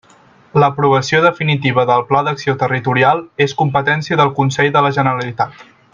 L'aprovació definitiva del Pla d'acció territorial és competència del Consell de la Generalitat.